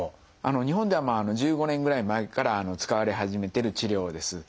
日本では１５年ぐらい前から使われ始めてる治療です。